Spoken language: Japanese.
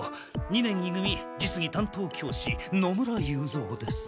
二年い組実技担当教師野村雄三です。